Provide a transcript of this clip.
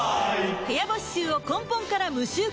部屋干し臭を根本から無臭化